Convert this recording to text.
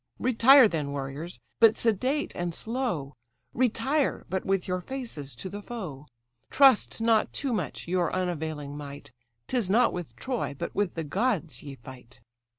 Retire then, warriors, but sedate and slow; Retire, but with your faces to the foe. Trust not too much your unavailing might; 'Tis not with Troy, but with the gods ye fight."